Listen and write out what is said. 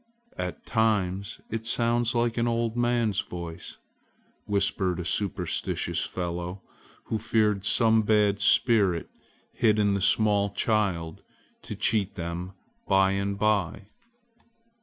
"At times it sounds like an old man's voice!" whispered a superstitious fellow, who feared some bad spirit hid in the small child to cheat them by and by.